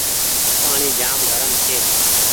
پآڻيٚ جآم گرم ڇي۔